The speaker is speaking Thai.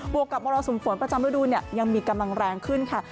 วกกับมรสุมฝนประจำฤดูเนี่ยยังมีกำลังแรงขึ้นค่ะ